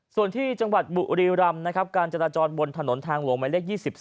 ส่วนที่จังหวัดบุรีรำการจัดตะจรบนถนนทางหลวงหมายเลข๒๔